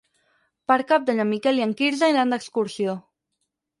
Per Cap d'Any en Miquel i en Quirze iran d'excursió.